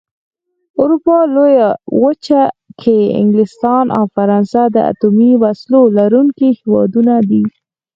په اروپا لويه وچه کې انګلستان او فرانسه د اتومي وسلو لرونکي هېوادونه دي.